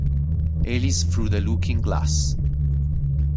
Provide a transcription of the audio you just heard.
Alice Through the Looking Glass